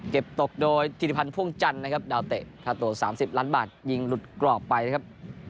ตกโดยธิริพันธ์พ่วงจันทร์นะครับดาวเตะค่าตัว๓๐ล้านบาทยิงหลุดกรอบไปนะครับ